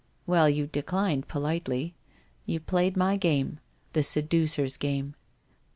Well, you declined politely. You played my game — the seducer's game.